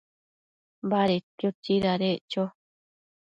Badedquio tsidadeccho